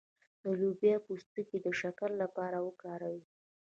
د لوبیا پوستکی د شکر لپاره وکاروئ